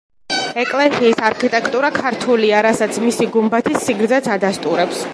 ეკლესიის არქიტექტურა ქართულია, რასაც მისი გუმბათის სიგრძეც ადასტურებს.